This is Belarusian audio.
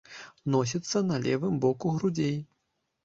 Носіцца на левым боку грудзей.